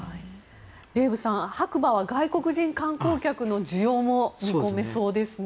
デーブさん白馬は外国人観光客の需要も見込めそうですね。